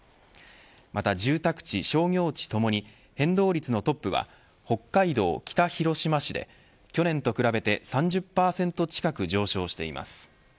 また住宅地、商業地ともに変動率のトップは北海道北広島市で去年と比べて３０％近く上昇しています。